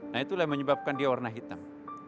nah itulah yang menyebabkan dia warna hitam